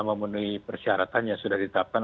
memenuhi persyaratan yang sudah ditetapkan